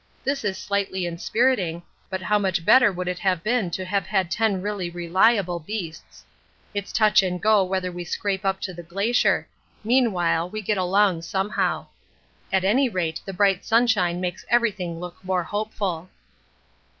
This is slightly inspiriting, but how much better would it have been to have had ten really reliable beasts. It's touch and go whether we scrape up to the Glacier; meanwhile we get along somehow. At any rate the bright sunshine makes everything look more hopeful.